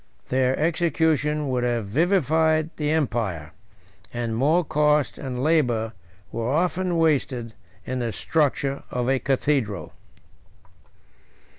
112 Their execution would have vivified the empire; and more cost and labor were often wasted in the structure of a cathedral.